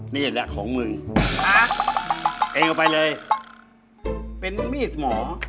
นี่แหละของมึงอ่ะเองเอาไปเลยเป็นมีดหมอ